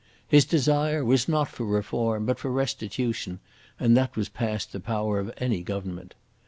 His desire was not for reform, but for restitution, and that was past the power of any Government.